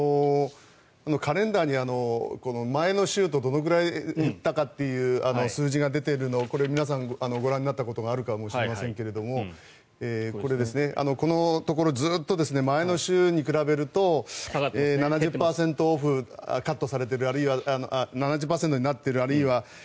カレンダーに前の週とどのくらい減ったかっていう数字が出ているのを皆さんご覧になったことがあるかもしれませんがこのところずっと前の週に比べると７０％になっているあるいは８０％になっている。